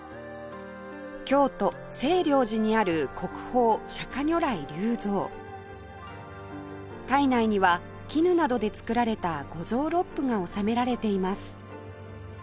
京都清凉寺にある国宝釈如来立像胎内には絹などで作られた五臓六腑が収められています